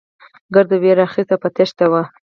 ګرد وېرې اخيستي او په تېښته وو.